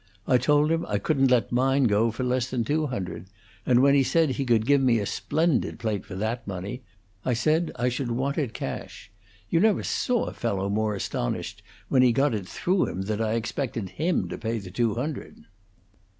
I told him I couldn't let mine go for less than two hundred, and when he said he could give me a splendid plate for that money, I said I should want it cash. You never saw a fellow more astonished when he got it through him that I expected him to pay the two hundred."